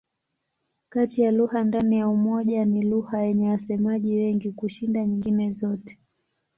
Kati ya lugha ndani ya Umoja ni lugha yenye wasemaji wengi kushinda nyingine zote.